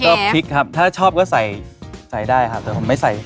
พริกครับถ้าชอบก็ใส่ใส่ได้ครับแต่ผมไม่ใส่